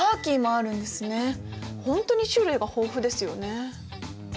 本当に種類が豊富ですよね。